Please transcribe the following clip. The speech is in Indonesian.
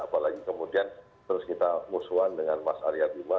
apalagi kemudian terus kita musuhan dengan mas arya bima